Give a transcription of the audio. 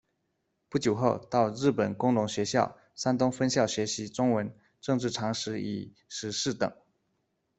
不久后，到日本工农学校山东分校学习中文、政治常识与时事等。